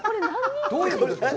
どういうことですか？